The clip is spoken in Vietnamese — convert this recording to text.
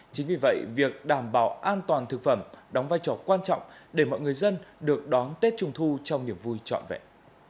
chính vì vậy việc đảm bảo an toàn thực phẩm đóng vai trò quan trọng để mọi người dân được đón tết trung thu trong niềm vui trọn vẹn